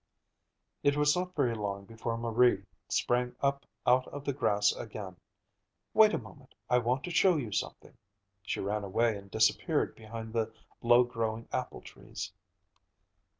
It was not very long before Marie sprang up out of the grass again. "Wait a moment. I want to show you something." She ran away and disappeared behind the low growing apple trees.